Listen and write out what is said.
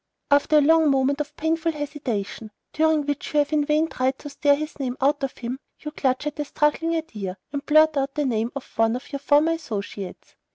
After a long moment of painful hesitation, during which you have in vain tried to stare his name out of him, you clutch at a struggling idea, and blurt out the name of one of your former associates.